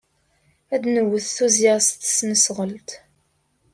Ad d-nwet tuzzya s tesnasɣalt.